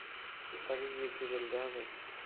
তাকে কি কিছু বলতে হবে?